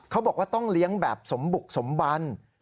เขาบอกว่าต้องเลี้ยงแบบสมบุกสมบัน